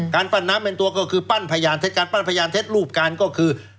ปั้นน้ำเป็นตัวก็คือปั้นพยานเท็จการปั้นพยานเท็จรูปการก็คือ